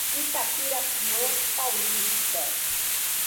Itapirapuã Paulista